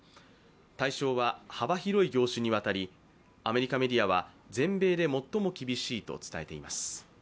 対象は幅広い業種にわたりアメリカメディアは全米で最も厳しいと伝えています。